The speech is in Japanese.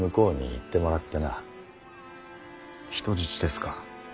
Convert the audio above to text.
人質ですか。